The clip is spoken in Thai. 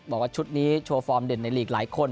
บอกว่าชุดนี้โชว์ฟอร์มเด่นในหลีกหลายคน